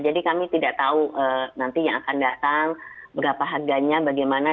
jadi kami tidak tahu nanti yang akan datang berapa harganya bagaimana